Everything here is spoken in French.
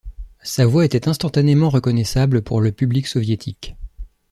Sa voix était instantanément reconnaissable pour le public soviétique.